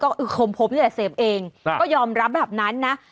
ก็คือคมพบนี่แหละเสพเองก็ยอมรับแบบนั้นนะ